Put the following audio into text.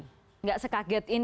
tidak sekaget ini